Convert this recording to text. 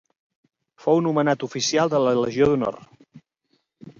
Fou nomenat oficial de la Legió d'honor.